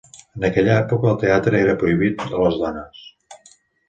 En aquella època, el teatre era prohibit a les dones.